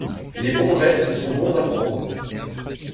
Les bons restes sont bons à prendre.